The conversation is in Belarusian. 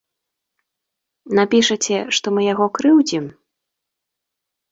Напішаце, што мы яго крыўдзім?